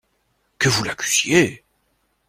Que vous l'accusiez!